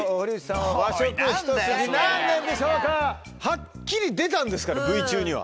はっきり出たんですからＶＴＲ中には。